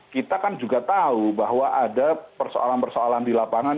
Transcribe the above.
kita kan juga tahu bahwa ada persoalan persoalan di lapangan